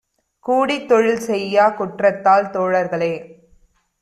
கூடித் தொழில்செய்யாக் குற்றத்தால் தோழர்களே!